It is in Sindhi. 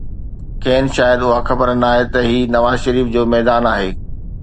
کين شايد اها خبر ناهي ته هي نواز شريف جو ميدان آهي.